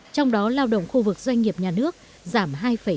trong đó lao động khu vực doanh nghiệp nhà nước giảm hai hai